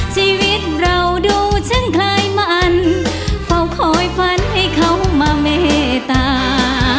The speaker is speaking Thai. ชีวิตเราดูฉันคลายมันเฝ้าคอยฝันให้เขามาเมตตา